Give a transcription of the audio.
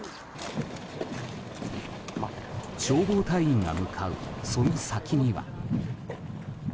消防隊員が向かうその先には。